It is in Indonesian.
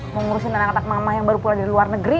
mengurusin anak anak mama yang baru pulang dari luar negeri